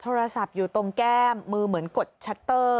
โทรศัพท์อยู่ตรงแก้มมือเหมือนกดชัตเตอร์